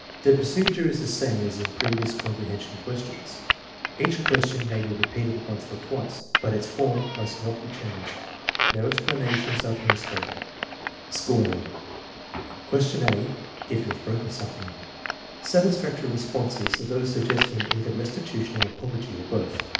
" The procedure is the same as in previous comprehension questions. 1 Each question may be repeated once or twice, but its form must not be changed. No explanations are permissible. Scoring: Question a (If you haw "broken something) Satisfactory responses are those suggesting either restitution or apology, or both.